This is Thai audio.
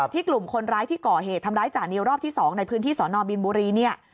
กลุ่มคนร้ายที่ก่อเหตุทำร้ายจานิวรอบที่๒ในพื้นที่สอนอบินบุรีเนี่ย